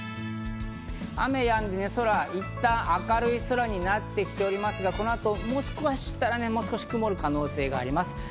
雨がやんで、空がいったん明るい空になってきておりますが、この後もしかしたら、もう少し曇る可能性があります。